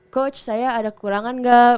coach saya ada kekurangan nggak